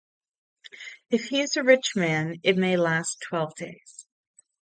If he is a rich man, it may last twelve days.